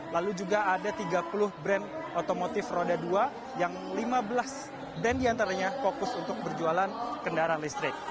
lalu juga ada tiga puluh brand otomotif roda dua yang lima belas brand diantaranya fokus untuk berjualan kendaraan listrik